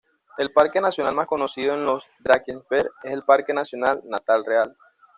El parque nacional más conocido en los Drakensberg es el Parque Nacional Natal Real.